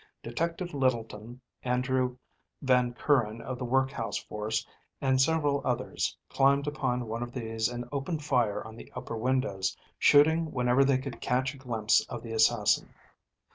Detective Littleton, Andrew Van Kuren of the Workhouse force and several others climbed upon one of these and opened fire on the upper windows, shooting whenever they could catch a glimpse of the assassin.